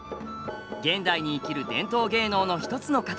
現代に生きる伝統芸能の一つの形。